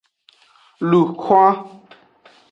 Lun hwan.